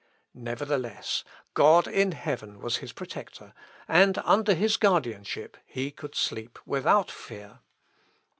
Nevertheless, God in heaven was his protector, and under his guardianship he could sleep without fear.